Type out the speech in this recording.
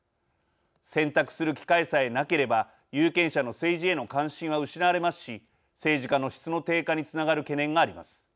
選択する機会さえなければ有権者の政治への関心は失われますし政治家の質の低下につながる懸念があります。